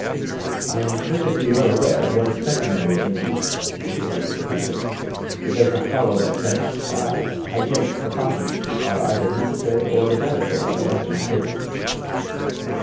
"I am perfectly well aware of what is customary in the East," retorted the Professor; "it does not follow that such ah hygienic precautions are either necessary or desirable at a Western table."